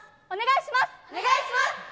お願いします。